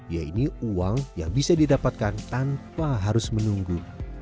yaitu uang yang bisa didapatkan tanpa harus menunggu